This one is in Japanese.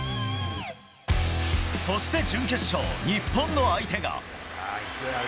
そして準決勝、日本の相手が。